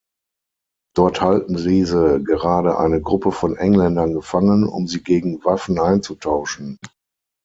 Dort halten diese gerade eine Gruppe von Engländern gefangen, um sie gegen Waffen einzutauschen.